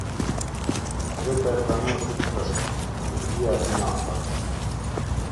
Adresa e pranuesit është: Ministria e Financave.